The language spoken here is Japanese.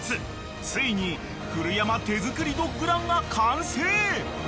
［ついに古山手作りドッグランが完成！］